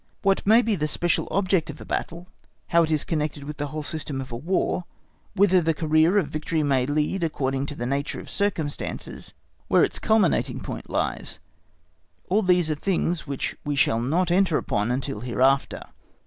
What may be the special object of a battle, how it is connected with the whole system of a War, whither the career of victory may lead according to the nature of circumstances, where its culminating point lies—all these are things which we shall not enter upon until hereafter.